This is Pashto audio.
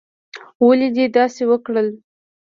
ولې دې داسې وکړل؟